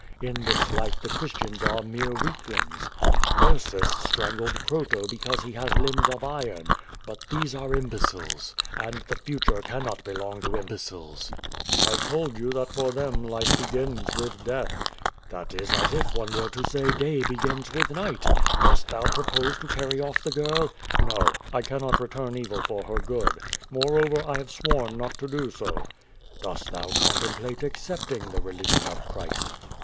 In this life the Chris tians are mere weaklings. Ursus stnnigled Croto because he has limbs of iron, but these are imbeciles, and the future can not belong to imlwcik^s." "I told you that for them life l>egins with death." "That is as if one were to say, *l)ay begins with night/ Dost thou pro|K>se to carry off the girl?" "No, I cannot return evil for her good. Moreover, I have sworn not to do so." Dost thou contemplate accepting the religion of Christ?'